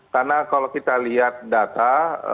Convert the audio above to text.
karena kalau kita lihat data